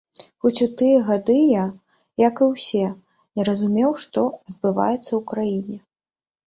Хоць у тыя гады я, як і ўсе, не разумеў, што адбываецца ў краіне.